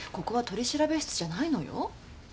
ここは取調室じゃないのよ。